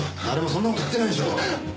誰もそんな事言ってないでしょう。